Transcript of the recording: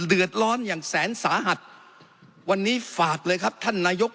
เดือดร้อนอย่างแสนสาหัสวันนี้ฝากเลยครับท่านนายก